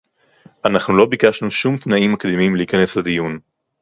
אנחנו לא ביקשנו שום תנאים מקדימים להיכנס לדיון